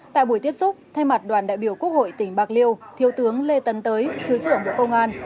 tại buổi tiếp xúc thay mặt đoàn đại biểu quốc hội tỉnh bạc liêu thiếu tướng lê tấn tới thứ trưởng bộ công an